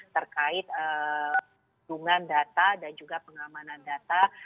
terkait dengan data dan juga pengamanan data